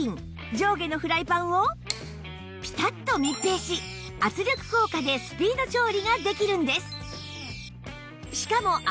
上下のフライパンをピタッと密閉し圧力効果でスピード調理ができるんです